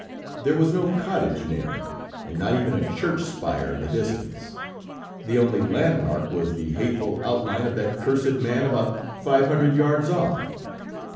There was no cottage near, and not even a church spire in the distance. The only land mark, was the hateful outline of that cursed man, about five hundred yards off.